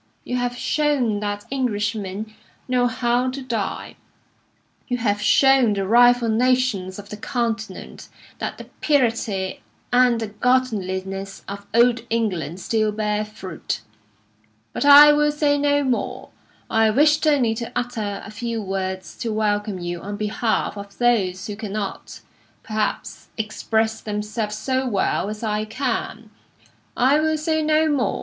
You have shown that Englishmen know how to die; you have shown the rival nations of the Continent that the purity and the godliness of Old England still bear fruit. But I will say no more; I wished only to utter a few words to welcome you on behalf of those who cannot, perhaps, express themselves so well as I can. I will say no more.